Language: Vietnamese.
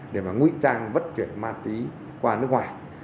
để ngụy trang vất chuyển ma túy qua nước ngoài